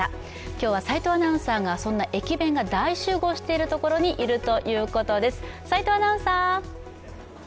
今日は齋藤アナウンサーがそんな駅弁が大集合しているところにいるということです。